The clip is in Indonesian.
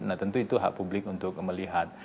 nah tentu itu hak publik untuk melihat